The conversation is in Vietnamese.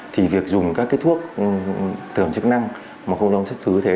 thì việc dùng các cái thuốc tưởng chức năng mà không rõ xuất xứ thế